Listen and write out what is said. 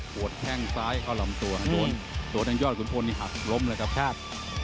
โดดแข้งซ้ายก็ล้ำตัวโดดยอดกุญโพนหักล้มเลยครับ